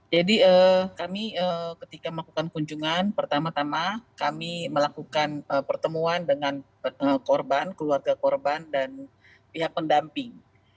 jadi kami ketika melakukan kunjungan pertama tama kami melakukan pertemuan dengan korban keluarga korban dan pihak pendamping